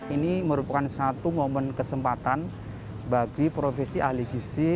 ini merupakan satu momen kesempatan bagi profesi ahli gisi